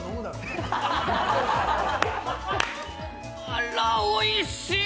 あら、おいしい。